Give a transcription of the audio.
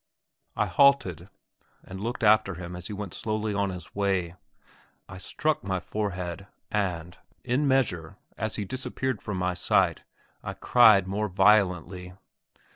I halted, and looked after him as he went slowly on his way. I struck my forehead, and, in measure, as he disappeared from my sight, I cried more violently.